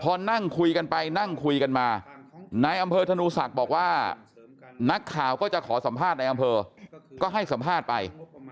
พอนั่งคุยกันไปนั่งคุยกันมานายอำเภอธนูศักดิ์บอกว่านักข่าวก็จะขอสัมภาษณ์ในอำเภอก็ให้สัมภาษณ์ไป